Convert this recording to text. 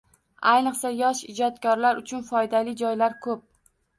Ayniqsa, yosh ijodkorlar uchun foydali joylari koʻp